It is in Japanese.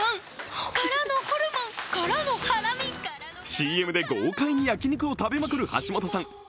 ＣＭで豪快に焼き肉を食べまくる橋本さん。